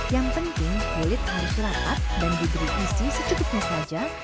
yang penting kulit harus rapat dan diberi isi secukupnya saja